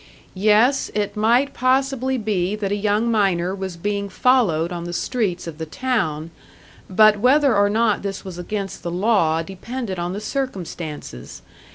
Yes, it might possibly be that a young miner was being followed on the streets of the town; but whether or not this was against the law depended on the circumstances.